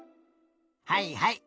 はいはい。